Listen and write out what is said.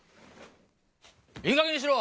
いいかげんにしろ！